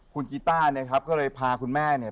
คุณกีต้าเนี่ยครับก็เลยพาคุณแม่เนี่ย